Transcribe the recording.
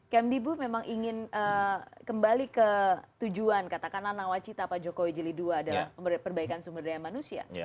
kmdbu memang ingin kembali ke tujuan katakanlah nawacita pak jokowi jelidua adalah perbaikan sumber daya manusia